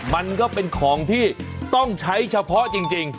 มันก็เป็นของที่ต้องใช้เฉพาะจริง